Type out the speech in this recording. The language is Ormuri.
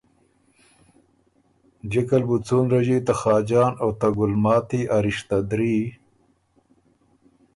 جکه ل بُو څُون رݫی ته خاجان او ته ګلماتی ا رشته دري،